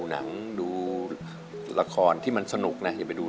อเรนนี่คือเหตุการณ์เริ่มต้นหลอนช่วงแรกแล้วมีอะไรอีก